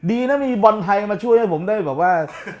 ดีนะมีบอลไทยมาช่วยให้ผมได้แบบว่า